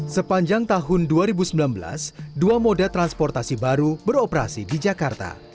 sepanjang tahun dua ribu sembilan belas dua moda transportasi baru beroperasi di jakarta